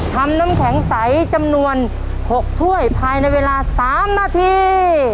น้ำแข็งใสจำนวน๖ถ้วยภายในเวลา๓นาที